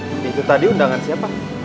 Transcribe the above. tapi itu tadi undangan siapa